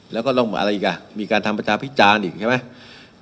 แล้วก็ต้องอะไรอีกอ่ะมีการทำประชาพิจารณ์อีกใช่ไหม